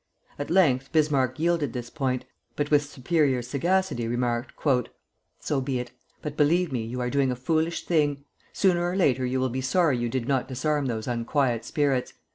At length Bismarck yielded this point, but with superior sagacity remarked: "So be it. But believe me you are doing a foolish thing. Sooner or later you will be sorry you did not disarm those unquiet spirits.